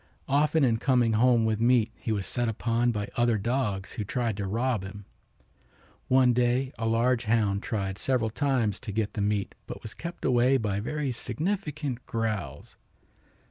Often in coming home with meat he was set upon by other dogs who tried to rob him. One day a large hound tried several times to get the meat, but was kept away by very significant growls.